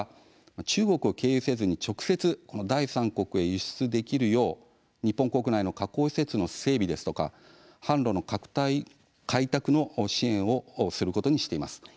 中国を経由せずに直接、第三国へ輸出できるよう日本国内の加工施設の整備ですとか販路の開拓を支援することにしています。